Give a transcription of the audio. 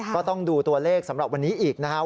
ก็ต้องดูตัวเลขสำหรับวันนี้อีกนะครับ